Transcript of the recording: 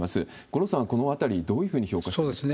五郎さんはこのあたり、どういうふうに評価していますか？